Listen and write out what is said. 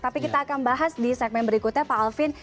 tapi kita akan bahas di segmen berikutnya pak alvin